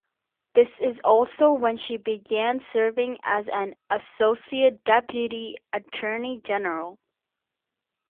This is also when she began serving as an associate deputy attorney general.